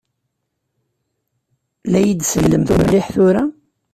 La yi-d-sellemt mliḥ tura?